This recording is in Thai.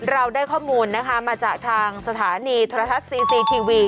เราได้ข้อมูลนะคะมาจากทางสถานีโทรทัศน์ซีซีทีวี